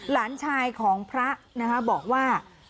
หลานชายของพระนะคะบอกว่า